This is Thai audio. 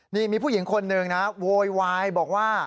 นี่มีผู้หญิงคนหนึ่งนะโวยวายบอกว่า